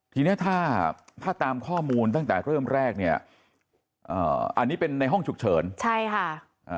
ทีเนี้ยถ้าถ้าตามข้อมูลตั้งแต่เริ่มแรกเนี่ยอ่าอันนี้เป็นในห้องฉุกเฉินใช่ค่ะอ่า